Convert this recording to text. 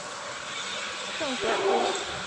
圣索尔夫。